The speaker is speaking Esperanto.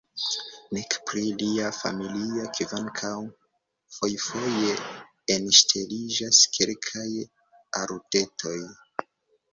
Nek pri lia familio – kvankam fojfoje enŝteliĝas kelkaj aludetoj.